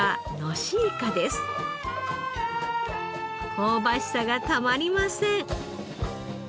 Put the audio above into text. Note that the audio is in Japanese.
香ばしさがたまりません！